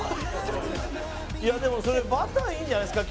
でもそれ『Ｂｕｔｔｅｒ』いいんじゃないですか？